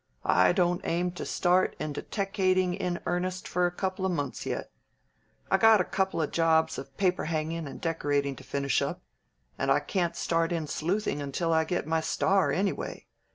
I don't aim to start in deteckating in earnest for a couple of months yet. I got a couple of jobs of paper hanging and decorating to finish up, and I can't start in sleuthing until I get my star, anyway.